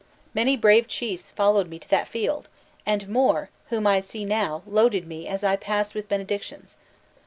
Many brave chiefs followed me to that field! and more, whom I see now, loaded me as I passed with benedictions.